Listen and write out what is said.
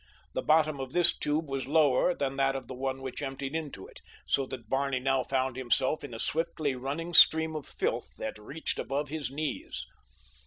The bottom of this tube was lower than that of the one which emptied into it, so that Barney now found himself in a swiftly running stream of filth that reached above his knees.